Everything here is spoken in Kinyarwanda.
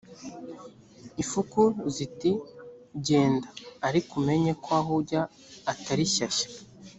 ifuku ziti genda ariko umenye ko aho ujya atari shyashya